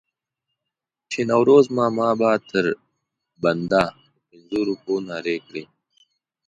چې نوروز ماما به تر بنده په پنځو روپو نارې کړې.